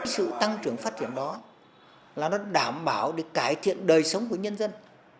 sự tăng trưởng phát triển đó là nó đảm bảo để cải thiện đời sống của nhân dân